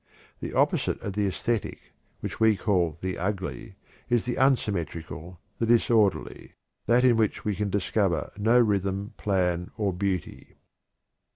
The opposite of the æsthetic, which we call the ugly, is the unsymmetrical, the disorderly that in which we can discover no rhythm, plan, or beauty."